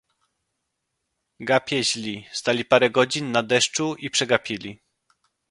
"Gapie źli: stali parę godzin na deszczu, i przegapili."